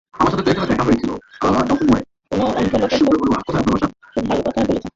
কোনো অন্ধ লোকের খুব ভাল কথা বলতেছেন।